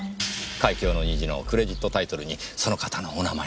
『海峡の虹』のクレジットタイトルにその方のお名前がありました。